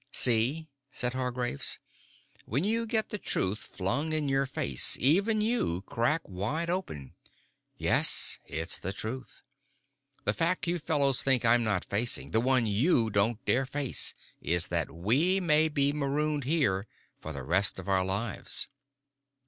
"See," said Hargraves. "When you get the truth flung in your face, even you crack wide open. Yes, it's the truth. The fact you fellows think I'm not facing the one you don't dare face is that we may be marooned here for the rest of our lives."